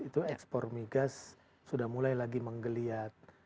itu ekspor migas sudah mulai lagi menggeliat